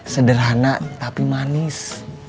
sederhana tapi manis